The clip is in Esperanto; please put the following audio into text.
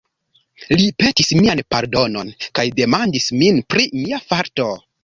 Li petis mian pardonon, kaj demandis min pri mia farto.